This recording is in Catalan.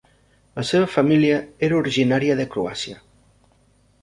La seva família era originària de Croàcia.